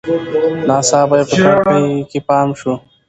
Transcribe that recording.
ناڅاپه یې په کړکۍ کې پام شو.